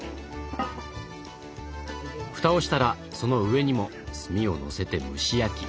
蓋をしたらその上にも炭をのせて蒸し焼き。